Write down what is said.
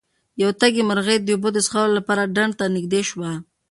یوه تږې مرغۍ د اوبو د څښلو لپاره ډنډ ته نږدې شوه.